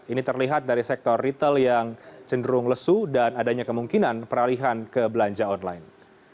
ini terlihat dari sektor retail yang cenderung lesu dan adanya kemungkinan peralihan ke belanja online